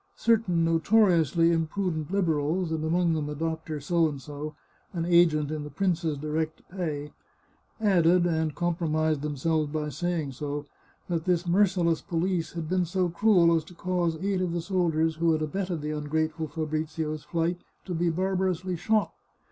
Certain notoriously imprudent Liberals, and among them a Doctor C , an agent in the prince's direct pay, added, and compromised themselves by saying so, that this merciless police had been so cruel as to cause eight of the soldiers who had abetted the ungrateful Fabrizio's flight to be barbar ously shot.